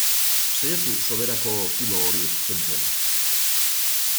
Saiatu soberako kilo horiek kentzen.